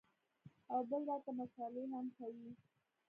او بل راته مسالې هم کوې.